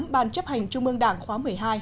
ban chấp hành trung ương đảng khóa một mươi hai